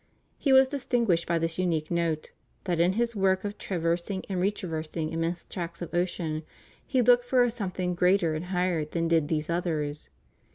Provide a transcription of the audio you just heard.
He was distinguished by this unique note, that in his work of traversing and retraversing immense tracts of ocean, he looked for a something greater and higher than did these others.